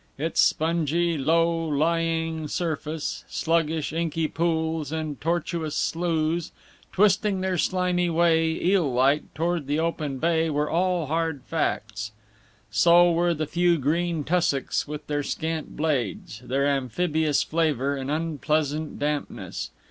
Its spongy, low lying surface, sluggish, inky pools, and tortuous sloughs, twisting their slimy way, eel like, toward the open bay, were all hard facts. So were the few green tussocks, with their scant blades, their amphibious flavor and unpleasant dampness.